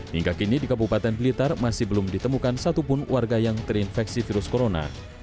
hingga kini di kabupaten blitar masih belum ditemukan satupun warga yang terinfeksi virus corona